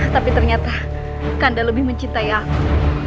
tapi ternyata kanda lebih mencintai aku